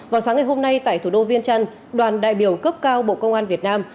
vào sáng ngày hôm nay tại thủ đô viên trăn đoàn đại biểu cấp cao bộ công an việt nam